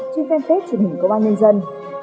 trên fanpage truyền hình của bà nhân dân